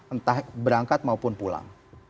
entah berangkat maupun pulang